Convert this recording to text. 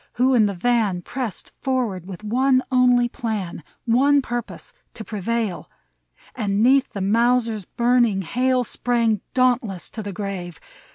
who in the van Pressed forward, with one only plan — One purpose, to prevail ; And 'neath the Mausers' burning hail Sprang dauntless to the grave.